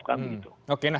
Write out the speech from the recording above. oke nah sikapnya